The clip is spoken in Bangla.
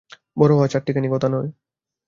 বড়ো হওয়া চাট্টিখানি কথা নয়।